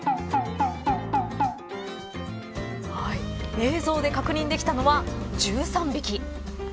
映像で確認できたのは１３匹。